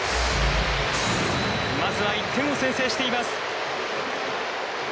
まずは１点を先制しています。